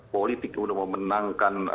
politik untuk memenangkan